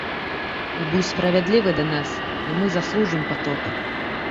І будзь справядлівы да нас, і мы заслужым патоп.